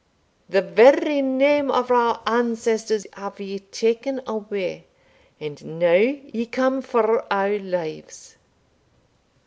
The very name of our ancestors have ye taken away, and now ye come for our lives."